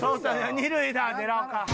二塁打狙おうか。